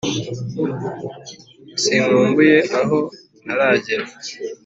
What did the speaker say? sinkumbuye aho ntaragera